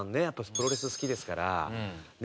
プロレス好きですからねっ。